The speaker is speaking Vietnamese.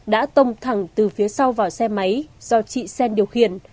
đã tông thẳng từ phía sau vào xe máy do chị sen điều khiển